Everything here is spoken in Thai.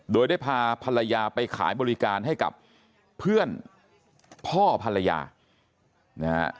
โดยได้พาภรรยาไปขายบริการให้กับเพื่อนพ่อภรรยานะฮะ